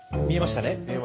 見えました。